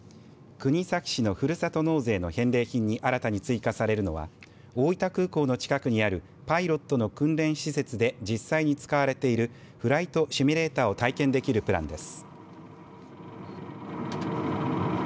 国東市のふるさと納税の返礼品に新たに追加されるのは大分空港の近くにあるパイロットの訓練施設で実際に使われているフライトシミュレーターを体験できるプランです。